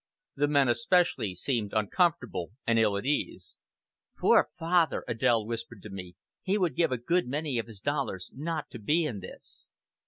The men especially seemed uncomfortable and ill at ease. "Poor father," Adèle whispered to me, "he would give a good many of his dollars not to be in this."